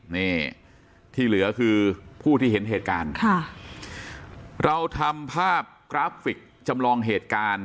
นี่ที่เหลือคือผู้ที่เห็นเหตุการณ์ค่ะเราทำภาพกราฟิกจำลองเหตุการณ์